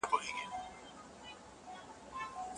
ټولنیز باور د ګډ فکر سرچینه ده.